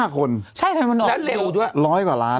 ๑๕คนและเร็วด้วย๑๐๐กว่าล้าน